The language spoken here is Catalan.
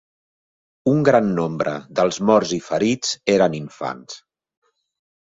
Un gran nombre dels morts i ferits eren infants.